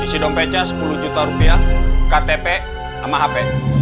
isi dompetnya sepuluh juta rupiah ktp sama hp